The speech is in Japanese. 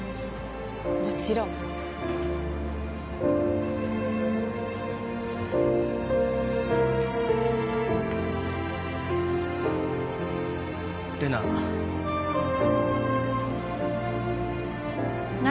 もちろん玲奈何？